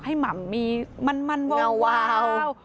ให้หม่ำมีมันว้าว